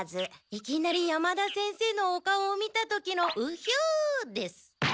いきなり山田先生のお顔を見た時の「うひょ」です。